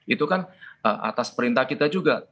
itu kan atas perintah kita juga